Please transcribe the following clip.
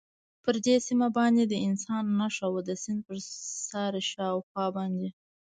پر دې سیمه باندې د انسان نښه نه وه، د سیند پر شاوخوا باندې.